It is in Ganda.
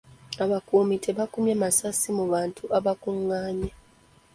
Abakuumi tebaakubye masasi mu bantu abaakungaanye.